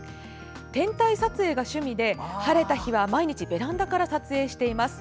天体撮影が趣味で、晴れた日は毎日ベランダから撮影しています。